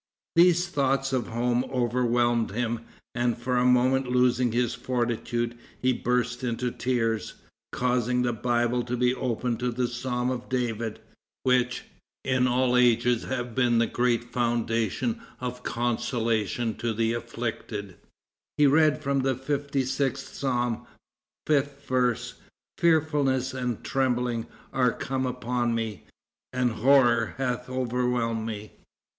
These thoughts of home overwhelmed him, and, for a moment losing his fortitude, he burst into tears. Causing the Bible to be opened to the Psalms of David, which, in all ages, have been the great fountain of consolation to the afflicted, he read from the fifty sixth Psalm, fifth verse, "Fearfulness and trembling are come upon me, and horror hath overwhelmed me."